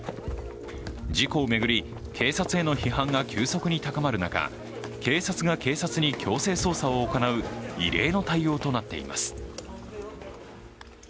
事故を巡り警察への批判が急速に高まる中警察が警察に強制捜査を行う異例の対応となっています。